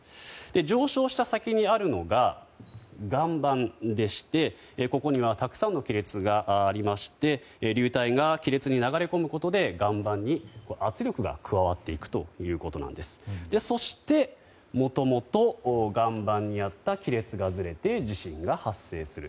上昇した先にあるのが岩盤でしてここにはたくさんの亀裂がありまして流体が亀裂に流れ込むことで岩盤に圧力が加わっていくということでそして、もともと岩盤にあった亀裂がずれて地震が発生する。